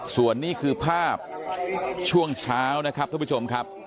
ส่วนนี้คือภาพช่วงเช้านะครับท่านผู้ชมครับ